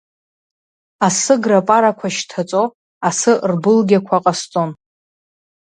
Асы грапарақәа шьҭаҵо, асы рбылгьақәа ҟасҵон.